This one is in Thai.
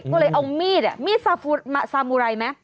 ก็เลยเอามีดมีดซามูไรไหม